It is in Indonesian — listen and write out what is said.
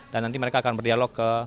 dan nanti mereka akan berdialog ke